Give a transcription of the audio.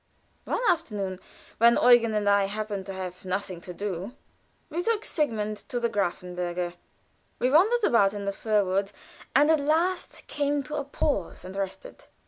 One afternoon when Eugen and I happened to have nothing to do, we took Sigmund to the Grafenberg. We wandered about in the fir wood, and at last came to a pause and rested.